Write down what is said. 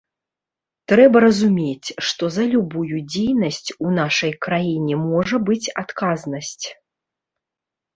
Трэба разумець, што за любую дзейнасць у нашай краіне можа быць адказнасць.